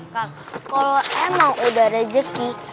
kalau emang udah rezeki